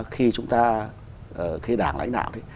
khi chúng ta khi đảng lãnh đạo